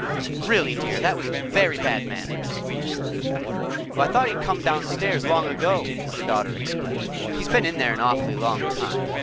"Really, dear, that was very bad manners." "I thought he'd come downstairs long ago," her daughter explained. "He's been in there an awfully long time.